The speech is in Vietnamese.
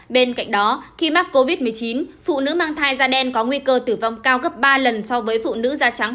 bên cạnh đó khi mắc covid một mươi chín phụ nữ mang thai da đen có nguy cơ tử vong cao gấp ba lần so với phụ nữ da trắng